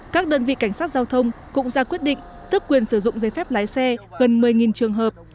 các đơn vị cảnh sát giao thông cũng ra quyết định tước quyền sử dụng giấy phép lái xe gần một mươi trường hợp